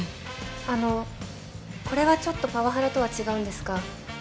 あのこれはちょっとパワハラとは違うんですが。